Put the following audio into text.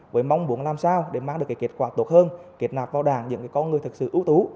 với mong muốn làm sao để mang được kết quả tốt hơn kết nạp vào đảng những con người thực sự ưu tú